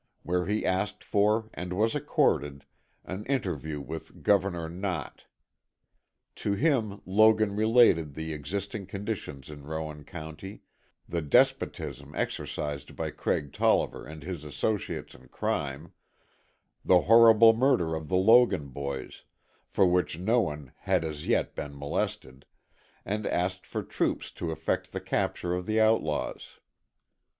where he asked for, and was accorded, an interview with Governor Knott. To him Logan related the existing conditions in Rowan County, the despotism exercised by Craig Tolliver and his associates in crime, the horrible murder of the Logan boys, for which no one had as yet been molested, and asked for troops to effect the capture of the outlaws.